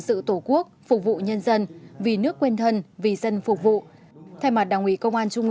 sự tổ quốc phục vụ nhân dân vì nước quên thân vì dân phục vụ thay mặt đảng ủy công an trung